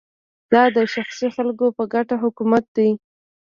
دا د شخصي خلکو په ګټه حکومت دی